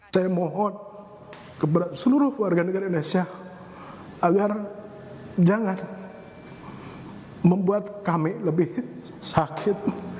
saya mohon kepada seluruh warga negara indonesia agar jangan membuat kami lebih sakit